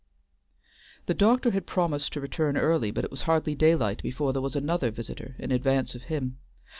The doctor had promised to return early, but it was hardly daylight before there was another visitor in advance of him.